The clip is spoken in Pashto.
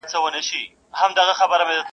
په پای کي شپږمه ورځ هم بې پايلې تېريږي.